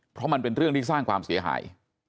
เพราะมันเป็นเรื่องที่สร้างความเสียหาย